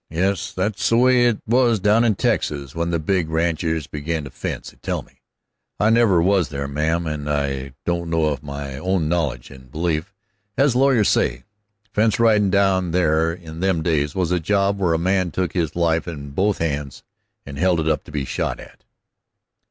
Yes, that's the way it was down in Texas when the big ranches begun to fence, they tell me I never was there, ma'am, and I don't know of my own knowledge and belief, as the lawyers say. Fence ridin' down there in them days was a job where a man took his life in both hands and held it up to be shot at."